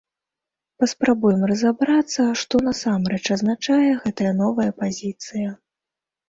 Паспрабуем разабрацца, што насамрэч азначае гэткая новая пазіцыя.